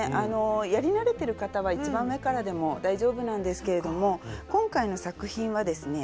やり慣れてる方は一番上からでも大丈夫なんですけれども今回の作品はですね